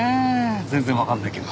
全然わからないけど。